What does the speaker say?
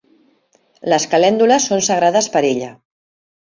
Les calèndules són sagrades per ella.